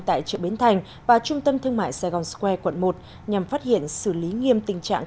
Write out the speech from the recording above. tại chợ bến thành và trung tâm thương mại saigon square quận một nhằm phát hiện xử lý nghiêm tình trạng